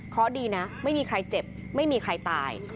เพราะดีนะไม่มีใครเจ็บไม่มีใครตาย